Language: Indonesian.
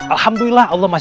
alhamdulillah allah maju maju